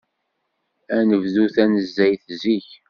Ad nebdu tanezzayt zik.